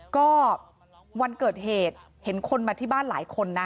ก็วันเกิดเหตุเห็นคนมาที่บ้านหลายคนนะ